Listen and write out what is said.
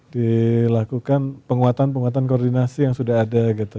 dilakukan penguatan penguatan koordinasi yang sudah ada gitu